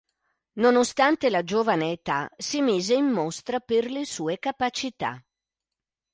Nonostante la giovane età, si mise in mostra per le sue capacità.